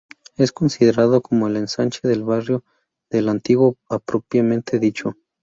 Es considerado como el ensanche del barrio de El Antiguo propiamente dicho.